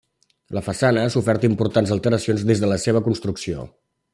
La façana ha sofert importants alteracions des de la seva construcció.